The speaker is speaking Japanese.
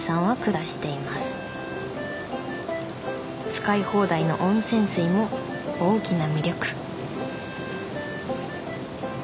使い放題の温泉水も大きな魅力。